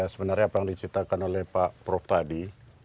sebenarnya apa yang diceritakan oleh pak prof tadi